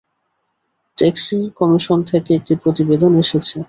Taxi commission থেকে একটি প্রতিবেদন এসেছে।